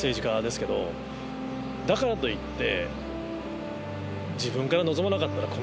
だからといって。